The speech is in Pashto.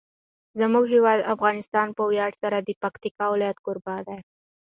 زموږ هیواد افغانستان په ویاړ سره د پکتیکا ولایت کوربه دی.